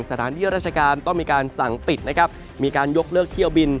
สถานที่ราชการต้องมีการสั่งปิดนะครับมีการยกเลิกเที่ยวบิน